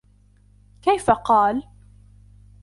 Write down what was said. كَيْفَ قَالَ